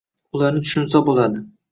Ularni tushunsa bo‘ladi.